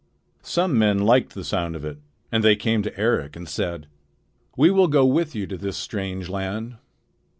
Some men liked the sound of it, and they came to Eric and said: "We will go with you to this strange land."